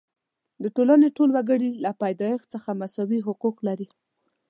د ټولنې ټول وګړي له پیدایښت څخه مساوي حقوق لري.